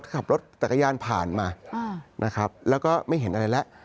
ขับรถจักรยานผ่านมานะครับแล้วก็ไม่เห็นอะไรแล้ว